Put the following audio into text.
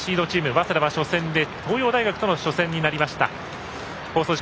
早稲田は東洋大学との初戦になりました。